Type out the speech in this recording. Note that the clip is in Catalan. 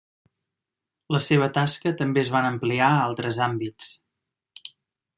La seva tasca també es van ampliar a altres àmbits.